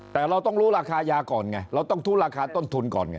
แต่เราต้องรู้ราคายาก่อนไงเราต้องทุราคาต้นทุนก่อนไง